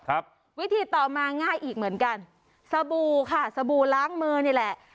ครับวิธีต่อมาง่ายอีกเหมือนกันสบู่ค่ะสบู่ล้างมือนี่แหละ